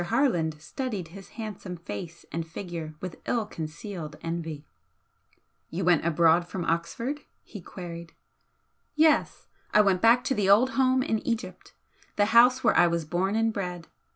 Harland studied his handsome face and figure with ill concealed envy. "You went abroad from Oxford?" he queried. "Yes. I went back to the old home in Egypt the house where I was born and bred.